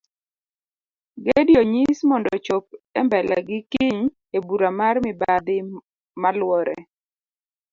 Gedi onyis mondo ochop embelegi kiny ebura mar mibadhi maluore